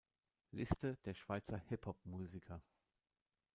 Liste der Schweizer Hip-Hop-Musiker